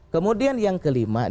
kemudian yang kelima